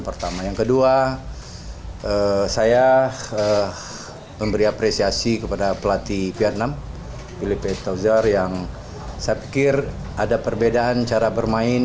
pertama tama bersyukur kemenangan ini atas kejadian yang gagal di apel dunia kemarin